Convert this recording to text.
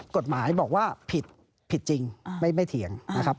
กฎหมายบอกว่าผิดผิดจริงไม่เถียงนะครับ